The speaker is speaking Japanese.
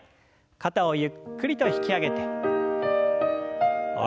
肩をゆっくりと引き上げて下ろして。